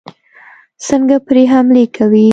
څنګه پرې حملې کوي.